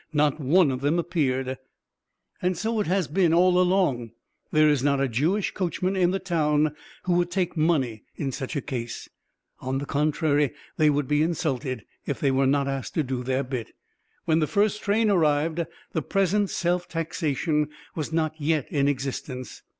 Not one of them appeared. And so it has been all along. There is not a Jewish coachman in the town who would take money in such a case. On the contrary, they would be insulted if they were not asked to do their bit. When the first train arrived, the present self taxation was not yet in existence.